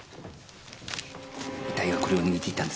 遺体がこれを握っていたんです。